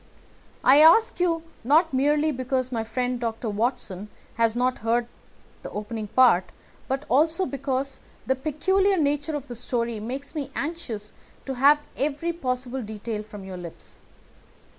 I ask you not merely because my friend Dr. Watson has not heard the opening part but also because the peculiar nature of the story makes me anxious to have every possible detail from your lips.